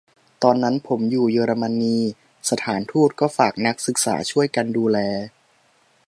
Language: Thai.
: ตอนนั้นผมอยู่เยอรมนี สถานทูตก็ฝากนักศึกษาช่วยกันดูแล